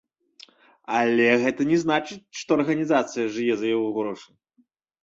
Але гэта не значыць, што арганізацыя жыве за яго грошы.